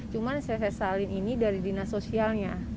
cuma saya sesalin ini dari dinas sosialnya